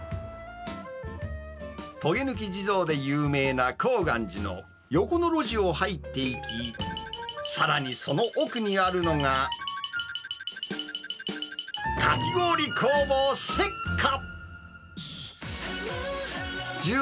とげぬき地蔵で有名なこうがん寺の横の路地を入っていき、さらにその奥にあるのが、かき氷工房雪果。